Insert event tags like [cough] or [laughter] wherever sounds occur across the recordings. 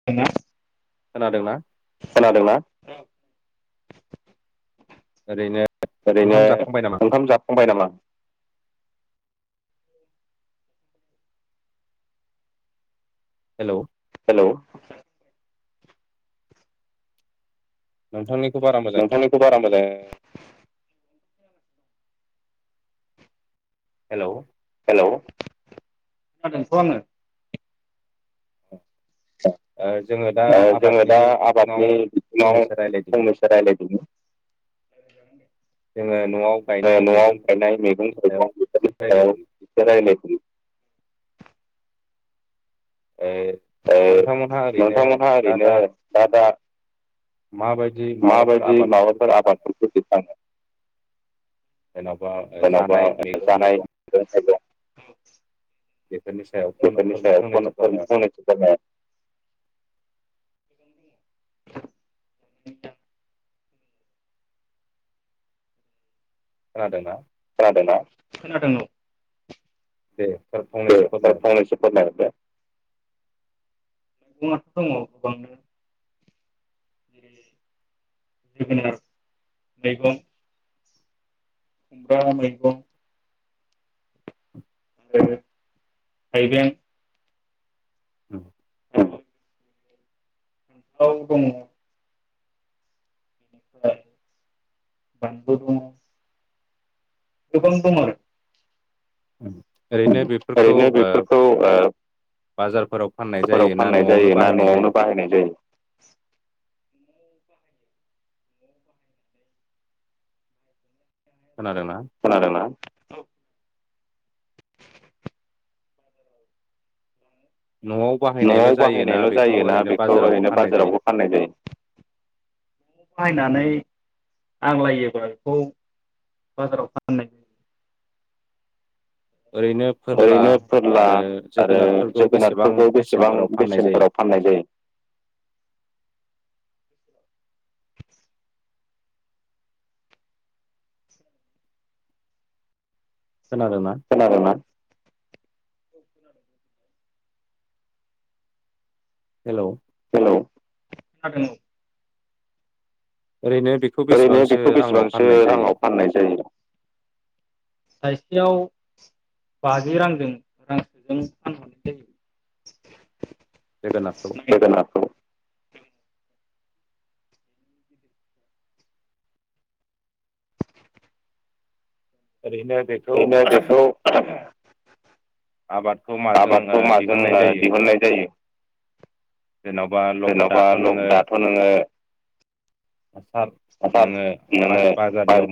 [unintelligible] खोनादोंना? खोनादोंना? ओरैनो ओरैनो ओंखाम जाखांबाय नामा? हेलौ हेलौ नोंथांनिखौ बारा नोंथांनायखौ बारा मोजां हेलौ हेलौ खोनादोंथ' आङो। ओ जोंङो दा आबादनि बिथिङाव फंनैसो रायलायदिनि। जोंङो न'आव ओ न'आव गायनाय मैगं थाइगं बेफोरनि सायाव एसे रायलायदिनि। ओ ओ नोंथांमोनहा ओरैनो दा दा माबायदि माबाफोर आबादफोरखौ दिखाङो। जेनबा जानाय मैगं थाइगं मैगं थायगं बेफोरनि सायाव फन फं फंनैसो फोरमाय [unintelligible] खोनादोंना? खोनादोंना? खोनादों औ। दे सार फंनैसो फोरमायहरदो। मैगंआथ' दङ गोबांनो जेरै जोगोनार मैगं खुमब्रा मैगं आरो थाइबें औ। नखराव दङ बानलु दंङ। गोबां दं आरो। उम ओरैनो बे ओरैनो बेफोरखौ ओ फोराव फाननाय जायो ना न'आवनो बाहायनाय जायो? [unintelligible] खोनादोंना? खोनादोंना? न'आव न'आव बाहायनायल' जायोना बेखौ ओरैनो बाजारावबो फाननाय जायो? न आव बाहायनानै आग्लायोबा बेखौ बाजाराव फाननाय ओरैनो फोरला आरो जोगोनारफोरखौ बेसेबां बेसेनफोराव फाननाय जायो? खोनादोंना? खोनादोंना? [unintelligible] हेलौ। हेलौ। खोनादों औ। ओरैनो बे ओरैनो बेखौ बेसेबांसो रांङाव फाननाय जायो? थाइसेयाव बाजि रांजों रांसोजों फानहरनाय जोगोनारखौ जोगोनारखौ आरैनो बेक ओनो बेखौ आबादखौ मा आबादखौ माजों दिहुननाय जायो? जेनेबा दाथ' नोङो हासार हासार नोङो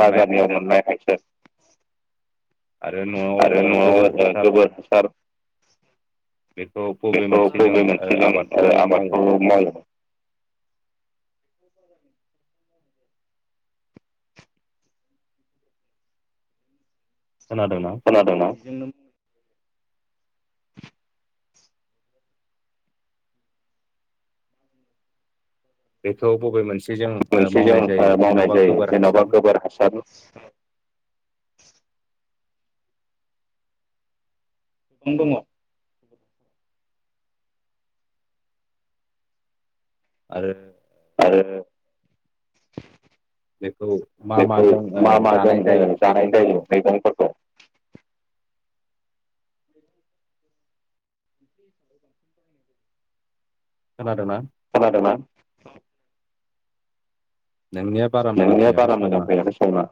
बाजारनियाव मोननाय खायसे आरो न'आव गोबोर हासार बेखौ बबे मोनसेजों आरो आबादखौ मावो? ज [inaudible] खोनादोंना? खोनादोंना? बेखौ बबे मोनसे जों मावनाय जायो जेन'बा गोबोर हासार जा हासार नों दंङ आरो आरो बेखौ मा माजों ओ जानाय जायो? मैगंफोरखौ। ब [inaudible] खोनादोंना? खोनादोंना? नोंनिया बारा मोजां फैयाखै सावोनटआ।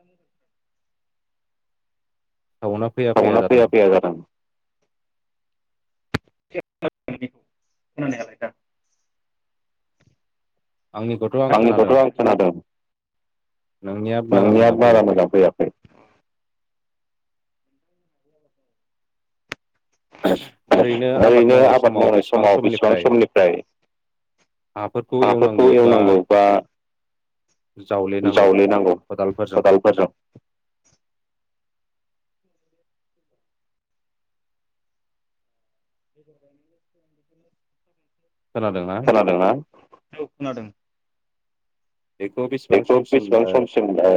[unintelligible] सावोनटआ सावोनट आ फैया फैया जादों। [unintelligible] खोनानायालाय दा आंनिगद आंनिखौथ' आं खोनादों। नोंनिया बारा मोजां फैयाखै। फैयाखै ओरैनो आबाद मावनाय समाव बेसेबां समनिफ्राय हाफोरखौ एवनांगौ बा जावलेनांगौ खदालफोरजों? [unintelligible] खोनादोंना? औ खोनादों। बेखौ बेसबां समसिम ओ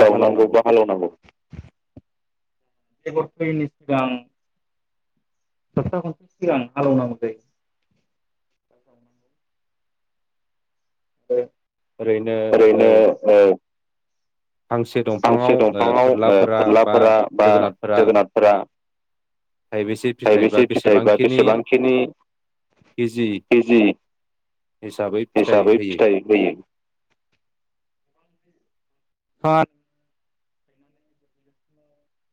जावनांगौ बा हालौनांगौ? बेगर फोयैनि सिगां सबथा खनसे सिगां हालौ नांगौ जायो। [unintelligible] ओरै नो औ फांसे दंफांङाव ओ फोरलाफोरा बा जोगोनारफोरा थाइबेसे फिथाइ बा बेसेबांखिनि केजि हिसाबै फिथाइ होयो? होयो? [inaudible] [inaudible]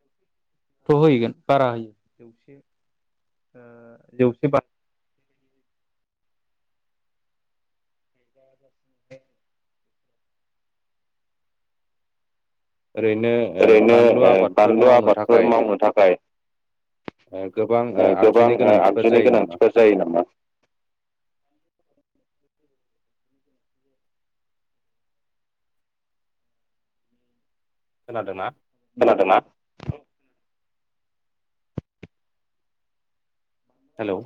[inaudible] थ' होगोन बारा होयो जौसे जौसे बारो। [inaudible] [inaudible] ओरैनो बानलु आबादफोर मावनो थाखाय गोबां आगजुनि गोनांथिफोर जायो नामा? जायो नामा? खोनादों ना? खोनादों ना? हेलौ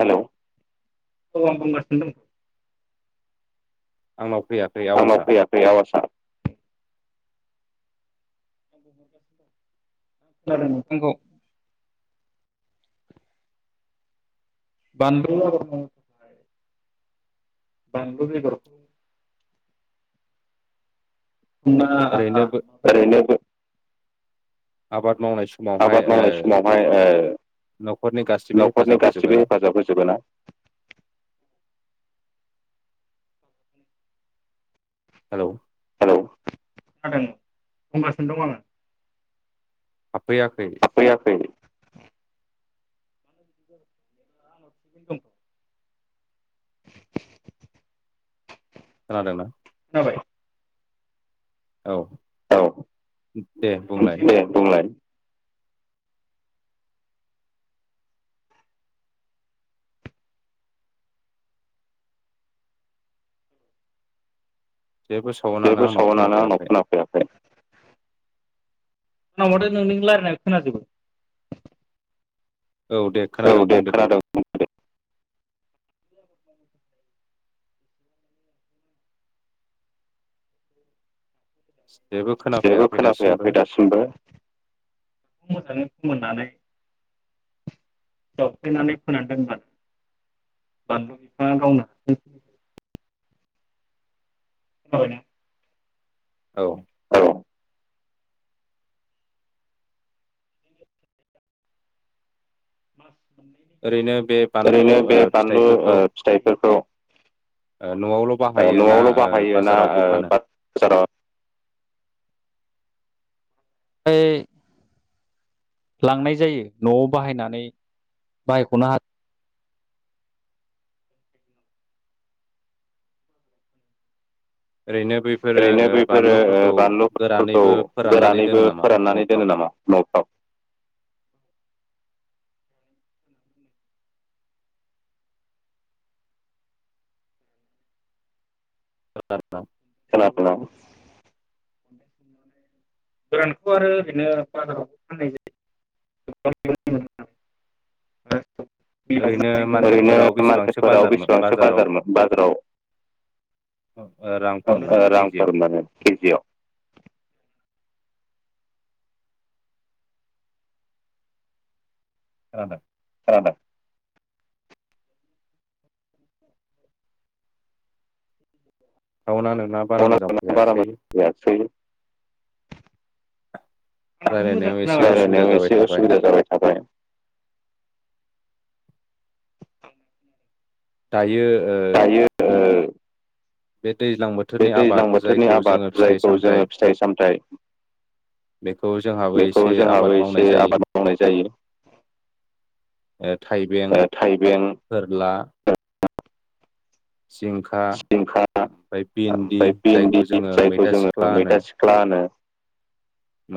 हेलौ औ आं बुंगासिनो दं। आंनाव फैया आंनाव फैयाखै आवाजा? [inaudible] खोनादों नोंथांखौ। बानलुनि आबादखौ बानलु बेगर मा ओरैनो बे आबाद मावनाय समावहाय ओ न'खरनि गासिबो हेफाजाब होजोबो ना? हेफाजाब होजोबोना? हेलौ हेल' खोनादों बुंगासिनो दं आङो। हाबफैयाखै? फैयाखै। [inaudible] खोनादों ना? खोनाबाय। औ दे बुंलाय। बुंलाय जेबो सावनानो आंनाव खोनाफैयाखै। फैयाखै आं माथो नोंनि रायज्लायनाय खोनाजोबो। औ दे खोनादों बुंदो दे। [inaudible] जेबो खोनाफैयाखै दासिमबो। सोंदों मोजाङै फोमोननानै जावफ्लेनानै फोनानै दोनबा बानलु बिफाङा गावनो हा [inaudible] औ। औ ओरैनो बे बानलु ओ फिथाइफोरखौ न'आवल' बाहायो ना ओ बाजाराव ओइ लांनाय जायो न'आव बाहायनानै बाहायख'नो हा ओरैनो बैफोरो बानलुफोरखौ गोरानैबो फोराननानै दोनो नामा न'फ्राव? नफ्राव आरो ना खोनादों आं गोरानखौ आरो ओरैनो बाजारावबो फाननाय जायो। [inaudible] ओरैनो मार्केटफोराव बेसेबांसो बाजारमोन बाजाराव ओ रां ओ रांफोर मोनो केजियाव। खोनादों? खोनादों? सावुना नोंना बारा मोजां फैयासै? राय्लायनायाव एसे उसुबिदा जाबाय थाबाय। दायो दायो ओ बे दैज्लां बोथोरनि आबाद जायखौ जोङो फिथाइ सामथाइ बेखौ जोंहाबो एसे आबाद मावनाय जायो। थाइबें, फोरला, जिंखा ओमफ्राय भिन्दि जायखौ जोङो, मैथा सिख्ला होनो।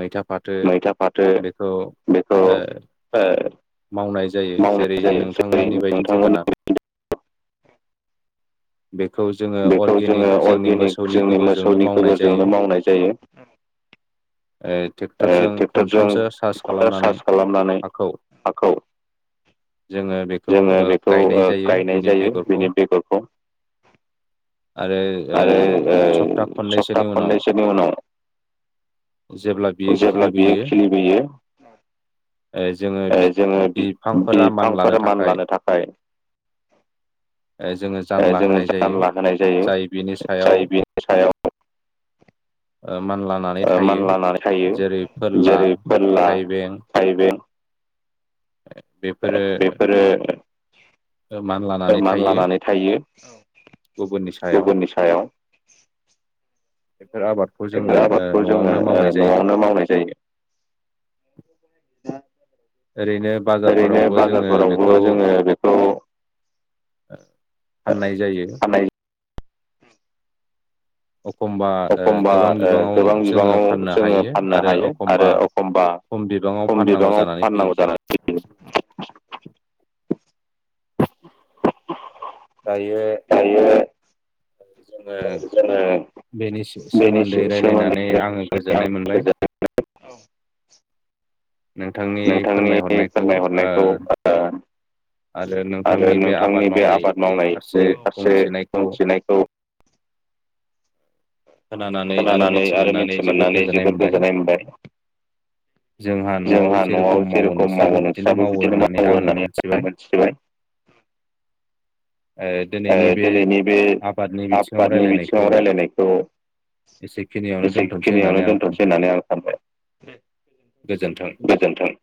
मैथा फाथो, बेखौ ओ ओ मावनाय जायो। जेरै- नोंथांमोननि बायदि जोगोनार बेखौ जोङो अर्गेनिक जोंनि मोसौनि गोबोरजोंनो मावनाय जायो। ओ ट्रेक्टरजों खनथामसो चार्ज खालामनानै हाखौ हाखौ जोङो बेखौ ओ गायनाय जायो। बेनि बेगरखौ आरो ओ सप्ता खननैसोनि उनाव सानैसोनि उनाव जेब्ला बियो खिलिबोयो ओ जोङो बि बिफांफोरा मान लानो थाखाय ओ जोङो जानला होनाय जायो। जाय बि बिनि सायाव ओ मानला ओ मानलानानै थायो। जेरै- फोरला, थाइबें बेफोरो ओ मान लानानै थायो गुबुननि सायाव। बेफोर आबादखौ जोङो ओ न'आवनो मावनाय जायो। ओरैनो बाजारफोरावबो जोङो बेखौ फाननाय जायो। [unintelligible] एखमबा ओ गोबां बिबाङाव जोङो फाननो हायो। आरो एखमबा खम बिबाङाव फाननांगौ जानानै फैयो। [unintelligible] दायो दायो जोङो बेनि सो-सोमोन्दै रायज्लायनानै आङो गोजोननाय मोनबाय। [unintelligible] नोंथांनि फोरमायहरनायखौ ओ आरो नोंथांनि बे आबाद मावनाय खौ फारसे बुंथिनाय खोनानानै आरो मिथिमोननानै जोबोर गोजोननाय मोनबाय। जोंहा न'आव जेरखम मावो नोंस्राबो बिदिनो मावो होननानै आङो मोनथिबाय ओ दिनैनि बे आबादनि बिथिङाव राय्लायनायखौ एसेखिनियावनो दोनथ'सै होननानै आं सानबाय गोजोन्थों। गोजोन्थों।